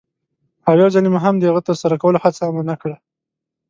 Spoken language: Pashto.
او یوځلې مو هم د هغه د ترسره کولو هڅه هم ونه کړه.